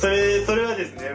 それはですね